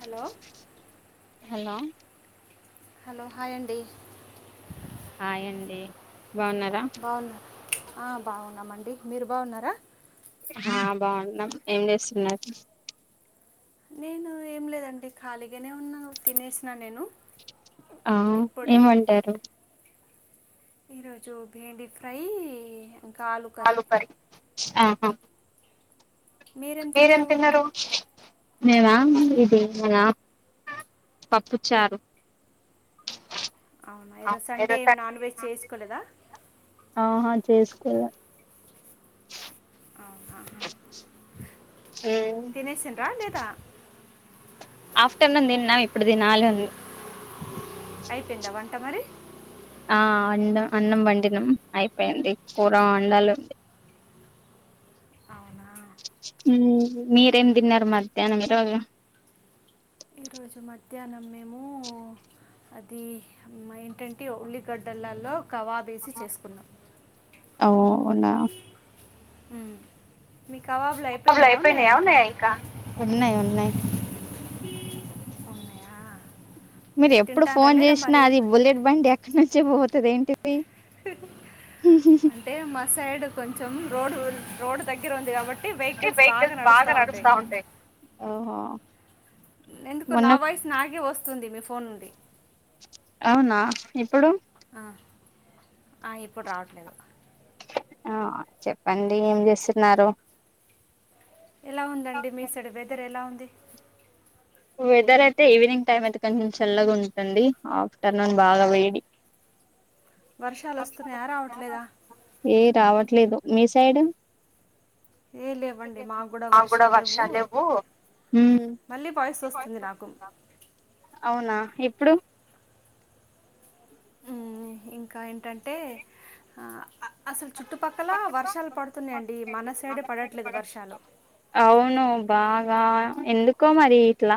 Hello hello hello hi అండి hi అండి బాగున్నారా బాగున్నా ఆ బాగున్నామండి మీరు బాగున్నారా ఆ బాగున్నాం ఏం చేస్తున్నారు నేను ఏం లేదండి ఖాళీగానే ఉన్న తినేసినా నేను ఆ ఇప్పుడే ఏమంటారు ఈరోజు బేండి ఫ్రై ఆలు కర్రీ మీరేం మీరెం తిన్నారు తిన్నరు మేమా ఇది మన పప్పు చారు అవున ఈరోజు సండే ఏమి నాన్ వెజ్ చేసుకోలేదా ఆహా చేసుకోలా అవునా హ హ తినేసిండ్రా లేదా ఆఫ్టర్ నూన్ తిన్నా ఇప్పుడు తినాలి అయిపోయిందా వంట మరి ఆ అన్న అన్నం వండినాం అయిపోయింది కూర అండాలు ఉంది అవునా మీరేం తిన్నారు మధ్యాహ్నం ఈరోజు ఈరోజు మధ్యాహ్నం మేము అది ఏంటంటే ఉల్లిగడ్డలల్లో కవాబేసి చేసుకున్నాం అవునా హు మీ [unintelligible] అయిపోయినాయా ఉన్నాయా ఇంకా ఉన్నాయి ఉన్నాయి ఉన్నాయా మీరు ఎప్పుడు తింటారా ఫోన్ లేదా చేసినా మరి అది బుల్లెట్ బండి అక్కడి నుంచే పోతుంది ఏంటి అంటే మా సైడ్ కొంచెం రోడ్డు రోడ్ దగ్గర ఉంది కాబట్టి అంటే వెహికల్స్ బాగా నడుస్తా ఉంటాయి ఓహో ఎందుకో మొన్న నా వాయిస్ నాకే వస్తుంది మీ ఫోన్ నుండి అవునా ఇప్పుడు ఆ, ఆ ఇప్పుడు రావట్లేదు ఆ చెప్పండి ఏం చేస్తున్నారు ఎలా ఉందండి మీసైడ్ వెదర్ ఎలా ఉంది వెదర్ అయితే ఈవినింగ్ టైం అయితే కొంచెం చల్లగా ఉంటుంది ఆఫ్టర్నూన్ బాగా వేడి వర్షాలు వస్తున్నాయా రావట్లేదా ఏ రావట్లేదు మీ సైడ్ ఏ లేవ్వండి మాకూడా వర్షాలు లేవు ఉమ్ మళ్ళీ వాయిస్ వస్తుంది నాకు అవునా ఇప్పుడు ఉమ్మ్ ఇంకా ఏంటంటే ఆ అసలు చుట్టుపక్కల వర్షాలు పడుతున్నాయండి మన సైడే పడట్లేదు ప వర్షాలు అవును బాగా ఎందుకో మరి ఇట్లా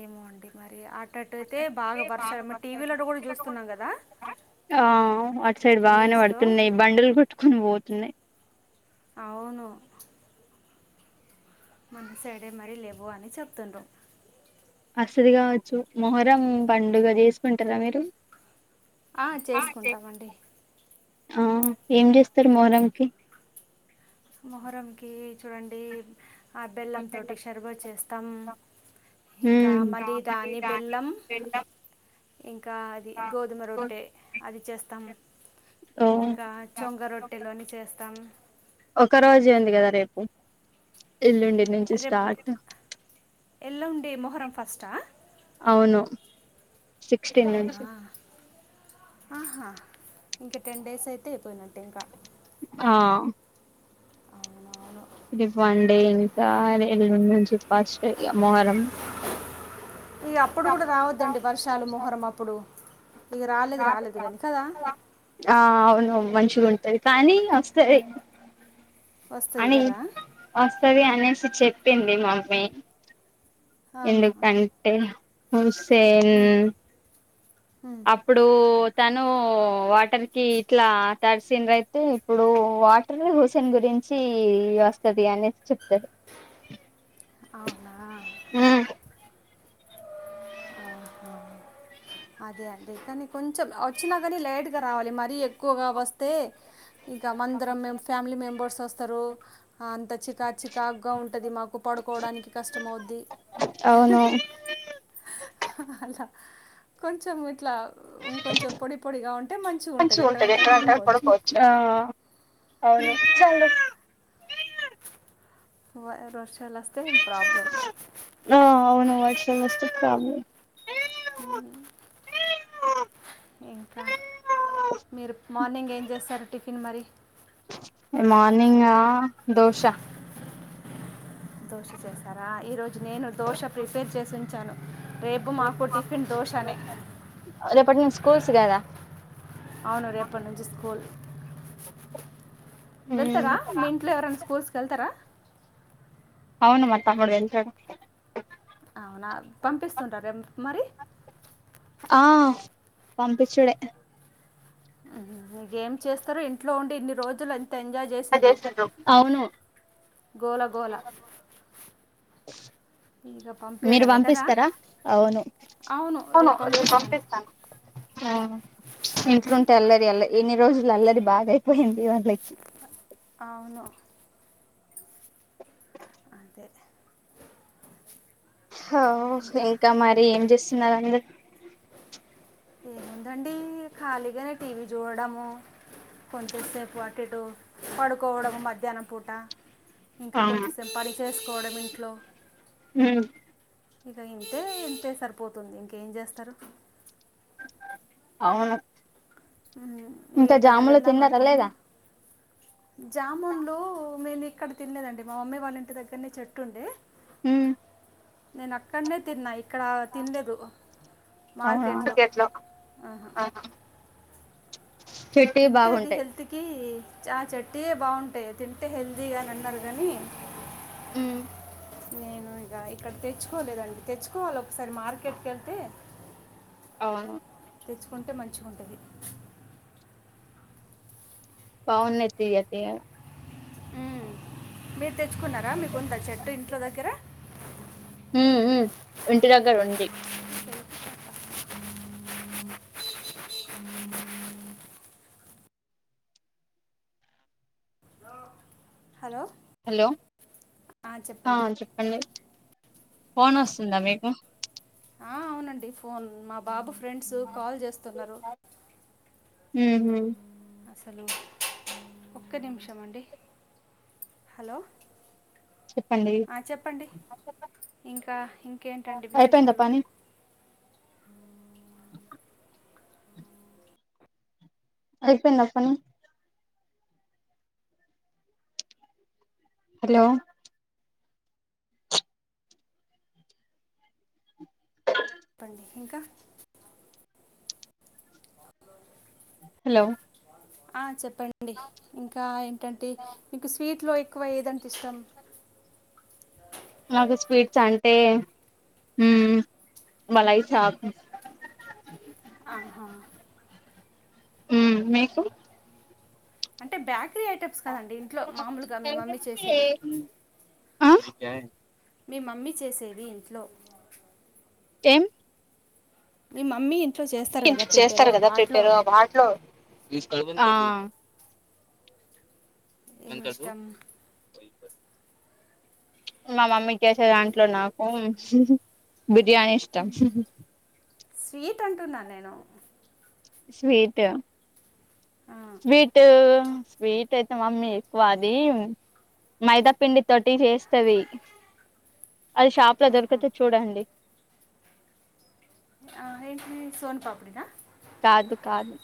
ఏమో అండి మరి అటట్టుయితే బాగా వర్షాలు మరి టీవీలో కూడా చూస్తున్నాం కదా ఆ అటు సైడ్ బాగానే న్యూస్లో పడుతున్నాయి బండలు కొట్టుకొని పోతున్నాయ్ అవును మన సైడే మరీ లేవో అని చెప్తుండ్రు అస్తది కావచ్చు మొహరం పండుగ చేసుకుంటారా మీరు ఆ చేసుకుంటమండి ఆ ఏం చేస్తారు మొహరంకి మొహరంకి చూడండి ఆ బెల్లంతోటి శర్బాత్ చేస్తాం ఇంకా మళ్ళీ దాని బెల్లం ఇంకా అది గోధుమ రొట్టె అది చేస్తాం ఓ ఇంకా చొంగ రొట్టెలని చేస్తాం ఒక్క రోజే ఉంది కదా రేపు ఎల్లుండి నుంచి రేపు స్టార్ట్ ఎల్లుండి మొహరం ఫస్టా అవును సిక్స్టీన్ అవునా నుంచి ఆహా ఇంకా టెన్ డేస్ అయితే అయిపోయినట్టే ఇంక ఆ అవునవును ఇది ఫన్డే ఇంకా ఎల్లుండి నుంచి ఫస్ట్డే ఇగ మొహరం ఇగ అప్పుడు కూడా రావద్దండి వర్షాలు మొహరం అప్పుడు ఇక రాలేదు రాలేదు కానీ కదా ఆ అవును మంచిగుంటది కానీ వస్తాది వస్తుంది అని కదా వాస్తది అనే సి చెప్పింది మమ్మీ ఆహా. ఎందుకంటే మూవీస్ సేం ఉమ్, ఉమ్. అప్పుడు తను వాటర్‌కి ఇట్లా తడిసిన్రు అయితే ఇప్పుడు వాటరే హుసేన్ గురిం చి వస్తాది అనే చె అవునా అదే అండి కానీ కొంచెం వచ్చినా కానీ లైట్గా రావాలి మరీ ఎక్కువగా వస్తే ఇంకా మందరం మేం ఫ్యామిలీ మెంబర్స్ వస్తారు అంత చికా చికాకుగా ఉంటది మాకు పడు కోడానికి కష్టం అవుద్ది అవును అ అలా కొంచం ఇట్లా ఇంకొంచెం పొడి పొడిగా ఉంటే మంచిగుంటది మంచిగా ఉంటది ఎక్కడంటే అక్కడ పడుకోవచ్చు ఆ అవును చాల్లే వాయ రోస్ ఆ అవును వర్షం వస్తే ప్రాబ్లమ్ ఇంకా మీరు మార్నింగ్ ఏం చేస్తారు టిఫిన్ మరి మార్నింగా దోశ దోశ చేశారా ఈరోజు నేను దోశ ప్రిపేర్ చేసి ఉంచాను రేపు మాకు టిఫిన్ దోశనే రేపటి నుంచి స్కూల్స్ కాదా అవును రేపటి నుంచి స్కూల్ ఉమ్ వెళ్తరా మీ ఇంట్లో ఎవరైనా స్కూల్స్కి వెళ్తరా అవును మా తమ్ముడు వెళ్తడు అవునా పంపిస్తుండ్రా రేం మరి ఆ పంప్పిచ్చుడే ఇ గేమ్ చేస్తారు ఇంట్లో ఉండి ఇన్ని రోజులై ఎంజాయ్ చేసిన్రు అవును గోల గోల ఇక మీరు పంపించడమే కదా పంపిస్తరా అవును అవును పంపిస్తాను ఆవును ఇంట్లుంటే అల్లరి అల్ల ఇన్ని రోజులు అల్లరి బాగా అయిపోయిందిగా అవును తె హో ఇంకా మరి ఏం చేస్తున్నారు అండి ఏముందండి ఖాళీగానే టీవీ చూడడము కొంచెం సేపు అటు ఇటు పడుకోవడము మధ్యాహ్నం పూట ఇంకా అవును కొంచెంసేపు పని చేసుకోవడం ఇంట్లో ఉమ్ ఇక ఇంతే ఇంతే సరిపోతుంది ఇంకేం చేస్తారు అవును ంహు ఇగ ఇంకా ఎటైనా జాములు వెళ్దామంటే తిన్నారా నేమో లేదా జామున్లు మేను ఇక్కడ తినలేదండి మా మమ్మీ వాళ్ళ ఇంటి దగ్గరనే చెట్టుండె నేను అక్కడనే తిన్నా ఇక్కడ తినలేదు అవునా మార్కెట్లో ఆహా చెట్టివి తింటే అది బాగుంటాయి హెల్త్ కి ఆ చెట్యే బాగుంటాయి తింటే హెల్దీగా అని అన్నరు గనీ నేను ఇక ఇక్కడ తెచ్చుకోలేదండి తెచ్చుకోవాలి ఒకసారి మార్కెట్కిళ్తే అ తెచ్చుకుంటే మంచిగుంటది బాగున్నయి తీయ్య తియ్యగా మ్ మీర్ తెచ్చుకున్నారా మీకుందా చెట్టు ఇంట్లో దగ్గర హ్మ్ హ్మ్ ఇంటి దగ్గర ఉంది హలో హలో ఆ, అ చెప్పండి చెప్పండి ఫోన్ వస్తుందా మీకు అ అవునండి ఫోన్ మా బాబు ఫ్రెండ్స్ కాల్ చేస్తున్నరు ఉ హు అసలు ఒక్క నిమిషం అండి హలో చెప్పండి ఆ, చెప్పండి ఇంకా ఇంకేంటండి అయిపోయిందా విశేషాలు పని అయిపోయిందా పని హలో చెప్పండి ఇంకా హలో ఆ చెప్పండి ఇంకా ఏంటంటే మీకు స్వీట్ లో ఏ క్కువ ఏదంటే ఇష్టం నాకు స్వీట్స్ అంటే మలాయి సాప్ అహా ఊమ్ మీకూ అంటే బేకరీ ఐటమ్స్ కాదండి ఇంట్లో మామూలుగా మీ మమ్మీ చేసేవి యాయ్ మీ మమ్మీ చేసేది ఇంట్లో ఏమ్ నిమ్మ చేస్తారు కదా ప్రిపేర్ వాటిలో ఏమి ఇష్టం మా మమ్మీ చేసే దాంట్లో నాకు బిర్యానీ ఇష్టం స్వీట్ అంటున్నా నేను స్వీట్ ఆ, స్వీటూ స్వీట్ అయితే మమ్మీ ఎక్కువ అది మైదా పిండి తోటి చేస్తది అది షాప్ లో ఆహా. దొరుకుతది చూడండి ఆ ఏంటిది సోన్ పాపిడి నా కాదు కాదు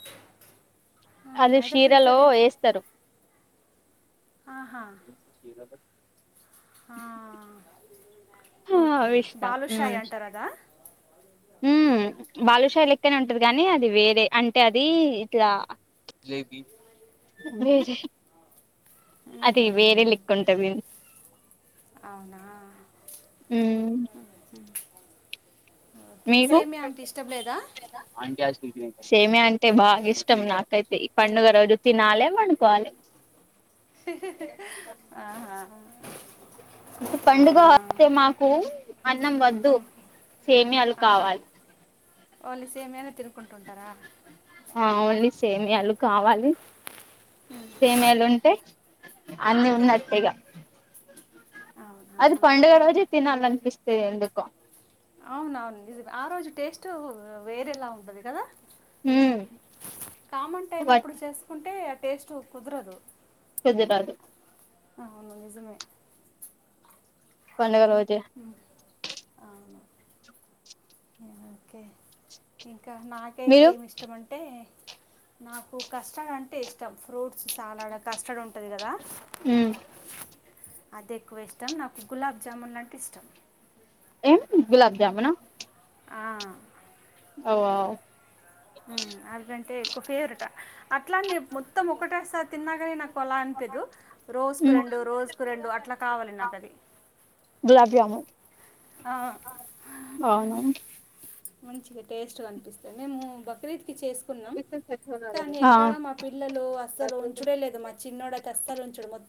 ఆ, అది మైదా షీరలో పిండితోటే ఏస్తరు ఆహా స ఆ ఓకే అవి ఇష్టం బాలుషాయి అంటారదా మ్మ్ అ బాదుషా లెక్కనే ఉంటది గానీ అది వేరే అంటే అది ఇట్లా వేరే అది ఉహుం. వేరే లెక్క ఉంటది అవునా మ్మ్ ఓకే మీకు సేమ్యా అంటే ఇష్టం లేదా సేమ్యా అంటే బాగ ఇష్టం నాకైతే ఇ పండుగ రోజు తినాలె పండుకోవాలె ఆహా పండుగ అవునా అస్తే మాకు అన్నం వద్దు ఉమ్. సేమ్యాలు ఆహా కావాలి ఓన్లీ సేమ్యానే తినుకుంట ఉంటరా ఆ ఓన్లీ సేమ్యాలు కావాలి సేమ్యాలు ఉంటే అన్ని ఉన్నట్టే ఇగా అవునా పిస్తయ్ ఎందుకో అవునవును నిజమే ఆ రోజు టేస్ట్ వేరేలా ఉంటది కదా ఉమ్ కామన్ టైం బట్ అప్పుడు చేసుకుంటే ఆ టేస్ట్ కుదరదు పెద్ద టార్గెట్ ఆ అవును నిజమే పండగ రోజే అవును ఇగ ఓకే ఇన్ కా నాకైతే మీరు ఏమిష్టమంటే నాకు కష్టర్డ్ అంటే ఇష్టం ఫ్రూట్స్ సాలడ్ కస్టర్డ్ ఉంటది గదా ఉమ్ అది ఎక్కువ ఇష్టం నాకు గులాబ్ జామున్ లాంట్ టిష్టం ఏం గులాబ్ జామున ఆ, అవా మ్ అవ్వంటే ఎక్కువ ఫేవరెటా అట్లానే మొత్తం ఒకటేసారి తిన్నా గాని నాకు అలా అనిపిదు రోజ్కు ఉమ్ రెండు రోజ్కు రెండు అట్లా కావాలి నాకు తది బ్లగ్ ఆ అవును మంచిగా టేస్ట్గా అనిపిస్తది మేము బక్రీద్కి చేసుకున్నాం కానీ ఎక్కడ ఆ మా పిల్లలు అస్సలు ఉంచుడే లేదు మా చిన్నోడు అయితే అస్సలు ఉంచడు మొ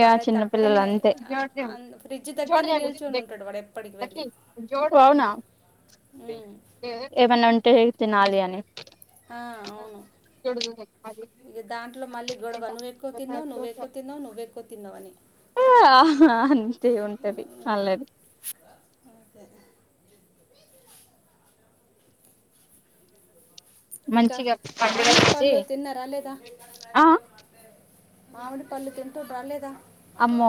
య వాడైతే చిన్నపిల్లలు అక్కడనే అంతే ఫ్రిడ్జ్ దగ్గరనే నిల్చొని ఉంటాడు వాడు ఎప్పటికి వెళ్ళి అవునా ఉమ్. ఏవన్నా ఉంటే తినాలి అని ఆ, జోడుదుందే అది ఇగ దాంట్లో మళ్ళీ గొడవ నువ్వు ఎక్కువ తిన్నవ్ నువ్వెక్కువ్ తిన్నావు నువ్వెక్కువ్ తిన్నావువని అంతే ఉంటది అల్లరి అంతే ఇంకా మంచిగా పండుగ మామిడి వచ్చి పళ్ళు తిన్నారా లేదా ఆ మావిడి పళ్ళు తింటుర్ర లేద అమ్మో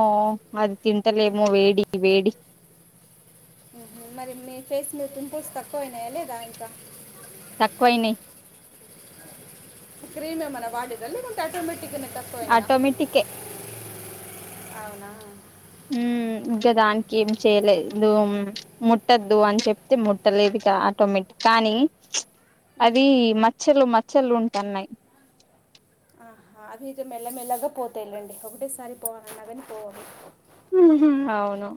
అది తింటలేమో వేడి వేడి మ్మ్. మరి మీ ఫేస్లో పింపుల్స్ తక్కువ అయినయ లేదా ఇంకా తక్కువైనయ్ క్రీమ్ ఎమన్న వాడిర్ర లేదంటే ఆటోమె ఆటోమేటికే అవునా మ్మ్ ఇంకా దానికి ఏం చేయలేదు ముట్టద్దు అని చెప్తే ముట్టలేదు ఇగ ఆటోమే కానీ అది మచ్చలు మచ్చలు ఉంటన్నాయ్ ఆహా అవి ఇగ మెల్లమెల్లగా పోతాయ్లేండి ఒకటేసారి పోవాలన్నా కాని పోవు అవి మ్ హు అవును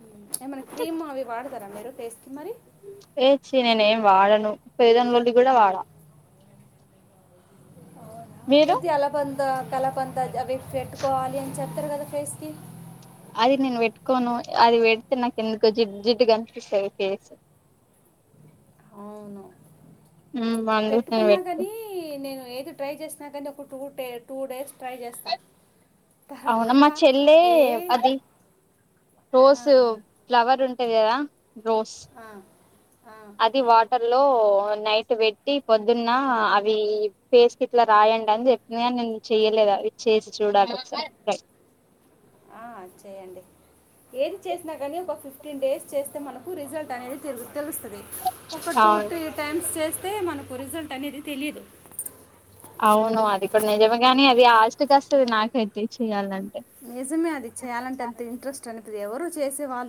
మ్మ్. ఏమైనా క్రీమ్ అవి వాడతారా మీరు ఫేస్కి మరి ఏ ఛీ నేనేం వాడను ఫెరెన్ లవ్లీ కూడా వాడ అవునా మీరు ఇది అలబంద కల బంద అవి పెట్టుకోవాలి అని చెప్తారు కదా ఫేస్కి అది నేను పెట్టుకోను అది పెడితే నాకు ఎందుకో జిడ్ జిడ్డుగా అనిపిస్తది ఫేసు అవును మ్మ్ అందుకు నేను పెట్టుకున్నా పెట్టుకో కాని నేను ఏది ట్రై చేసిన కానీ ఒక టూ టే టూ డేస్ ట్రై చేస్తా అవున మా తర్వాత చెల్లె ఏ అది రోజు ఆహా, ఫ్లవరు ఉంటది కదా రోస్ ఆ, ఆ, అది వాటర్లో నైట్ పెట్టి పొద్దున్న అవి ఫేస్కి ఇట్లా రాయండి అని చెప్పిన నేను చెయ్యలే ఇగ ఇది చేసి చూడలి ఒకసారి ఆ చేయండి ఏది చేసినా కానీ ఒక ఫిఫ్టీన్ డేస్ చేస్తే మనకు రిజల్ట్ అనేది తెలు తెలుస్తది ఒక టూ అవును త్రీ టైమ్స్ చేస్తే మనకు రిజల్ట్ అనేది తెలీదు ప్పుడ్ నిజమే గాని అది ఆస్తి కస్తది నాక అయితే చెయ్యాలని నిజమే అది చేయాలంటే అంత ఇంట్రెస్ట్ అనిపిదు ఎవరు చేసే వాళ్ళు